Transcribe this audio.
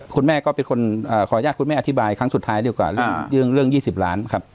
คุณแม่ก็เป็นคนขออนุญาตคุณแม่อธิบายครั้งสุดท้ายดีกว่าเรื่อง๒๐ล้านครับ